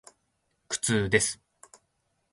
苦痛です。